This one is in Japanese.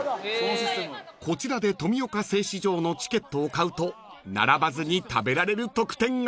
［こちらで富岡製糸場のチケットを買うと並ばずに食べられる特典が］